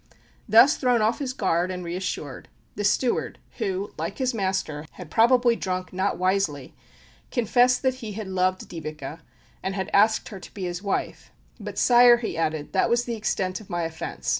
Thus thrown off his guard and reassured, the steward, who, like his master, had probably drunk not wisely, confessed that he had loved Dyveke, and had asked her to be his wife. "But, sire," he added, "that was the extent of my offence.